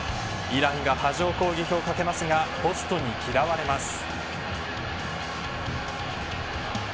イランが波状攻撃をかけますがポストに嫌われます。